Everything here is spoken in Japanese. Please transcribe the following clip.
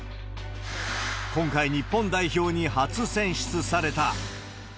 今回、日本代表に初選出された。